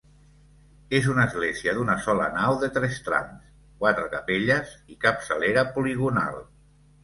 És una església d'una sola nau de tres trams, quatre capelles i capçalera poligonal.